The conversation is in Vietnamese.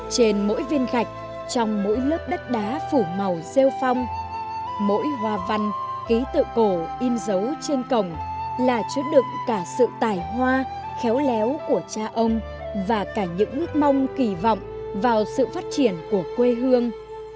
trên mỗi viên gạch trong mỗi lớp đất đá phủ màu rêu phong mỗi hoa văn ký tự cổ in dấu trên cổng là chứa đựng cả sự tài hoa khéo léo của cha ông và cả những ước mong kỳ vọng vào sự phát triển của quê hương